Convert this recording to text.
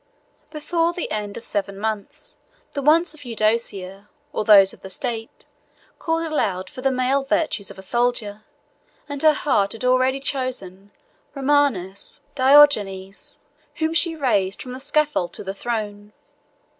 Before the end of seven months, the wants of Eudocia, or those of the state, called aloud for the male virtues of a soldier; and her heart had already chosen Romanus Diogenes, whom she raised from the scaffold to the throne.